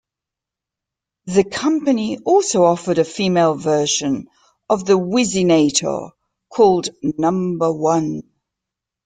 The company also offered a female version of the Whizzinator, called Number One.